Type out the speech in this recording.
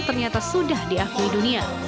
ternyata sudah diakui dunia